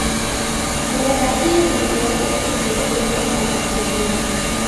mulo sahihi unaweza kukusaidia kuepuka matatizo mengi